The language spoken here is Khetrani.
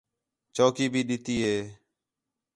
چوکی بھی ݙِتی ہے